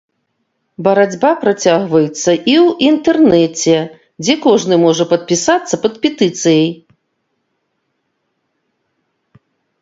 Барацьба працягваецца і ў інтэрнэце, дзе кожны можа падпісацца пад петыцыяй.